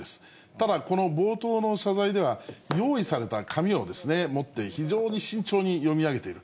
ただこの冒頭の謝罪では、用意された紙を持って、非常に慎重に読み上げている。